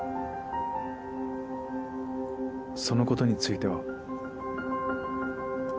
その事については。